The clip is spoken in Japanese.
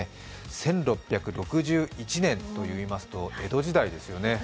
１６６１年といいますと江戸時代ですよね。